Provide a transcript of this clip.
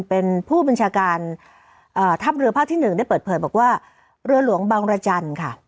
เป็นผู้บัญชาการทัพเรือภาคที่๑ได้เปิดเผยบอกว่าเรือหลวงบังรจันทร์ค่ะ